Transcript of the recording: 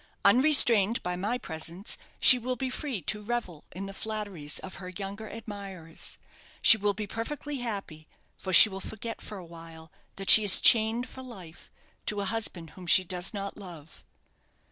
"Unrestrained by my presence, she will be free to revel in the flatteries of her younger admirers. She will be perfectly happy, for she will forget for a while that she is chained for life to a husband whom she does not love."